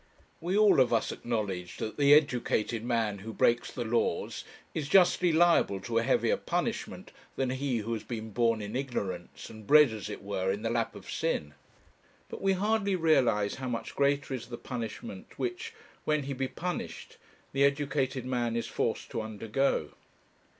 We all of us acknowledge that the educated man who breaks the laws is justly liable to a heavier punishment than he who has been born in ignorance, and bred, as it were, in the lap of sin; but we hardly realize how much greater is the punishment which, when he be punished, the educated man is forced to undergo.